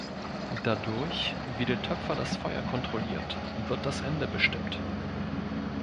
Dadurch, wie der Töpfer das Feuer kontrolliert, wird das Ende bestimmt.